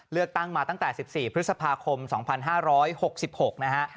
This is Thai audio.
เลือกตั้งมาตั้งแต่๑๔พฤษภาคม๒๕๖๖นะฮะ